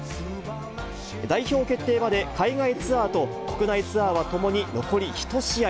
代表決定まで海外ツアーと国内ツアーはともに残り１試合。